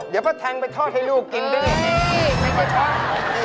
เดี๋ยวพ่อแทงไปทอดให้ลูกกินไป